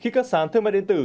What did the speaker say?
khi các sản thương mại điện tử